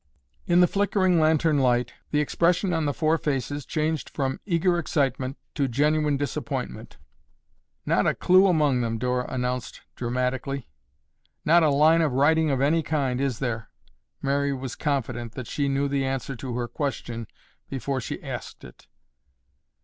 In the flickering lantern light, the expression on the four faces changed from eager excitement to genuine disappointment. "Not a clue among them," Dora announced dramatically. "Not a line of writing of any kind, is there?" Mary was confident that she knew the answer to her question before she asked it.